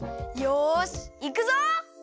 よしいくぞ！